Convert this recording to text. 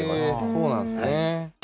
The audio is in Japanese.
そうなんですね。